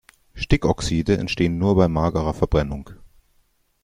Stickoxide entstehen nur bei magerer Verbrennung.